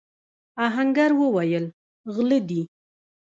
آهنګر وويل: غله دي!